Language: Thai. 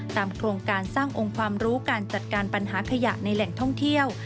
โครงการสร้างองค์ความรู้การจัดการปัญหาขยะในแหล่งท่องเที่ยว